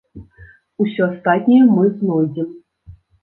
Усё астатняе мы знойдзем.